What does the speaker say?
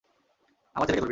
আমার ছেলেকে ধরবি না!